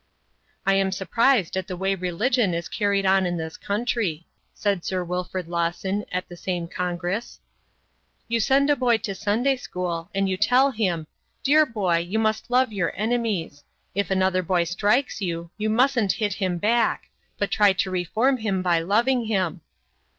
"I am surprised at the way religion is carried on in this country," said Sir Wilfrid Lawson at the same congress. "You send a boy to Sunday school, and you tell him: 'Dear boy, you must love your enemies. If another boy strikes you, you mustn't hit him back, but try to reform him by loving him.'